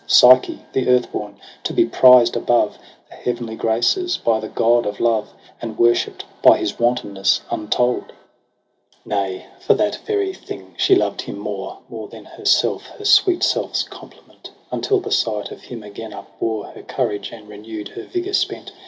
Psyche, the earthborn, to be prized above The heavenly Graces by the God of love. And worshipt by his wantonness untold ! fjo EROS Gf PSYCHE Nay, for that very thing she loved him more. More than herself her sweet self's complement : Until the sight of him again upbore Her courage, and renew'd her vigour spent.